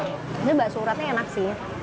ini bakso uratnya enak sih